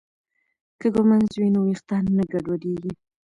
که ږمنځ وي نو ویښتان نه ګډوډیږي.